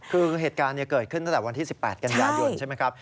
คือเหตุการณ์เกิดขึ้นตั้งแต่วันที่๑๘กันยายนใช่ไหมครับ